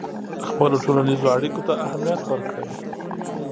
خپلو ټولنیزو اړیکو ته اهمیت ورکړئ.